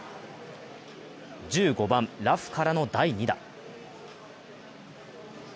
１５番、ラフからの第２打。